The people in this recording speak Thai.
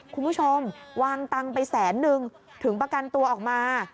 คุณผู้ชมวางตังค์ไปแสนนึงถึงประกันตัวออกมา